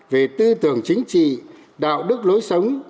về tư tưởng chính trị đạo đức lối sống